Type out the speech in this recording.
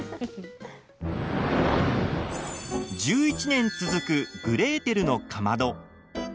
１１年続く「グレーテルのかまど」。